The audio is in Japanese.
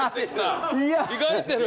着替えてる！